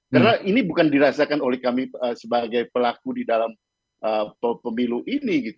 karena ini bukan dirasakan oleh kami sebagai pelaku di dalam pemilu ini